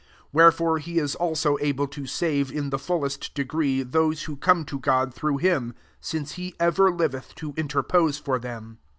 25 Wherefore he is also abb to save in the fullest degree tlit>se who* come to God through han, since he ever liveth to interpose for them.